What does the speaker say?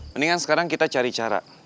mendingan sekarang kita cari cara